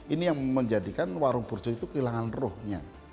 ini yang menjadikan warung burjo itu kehilangan rohnya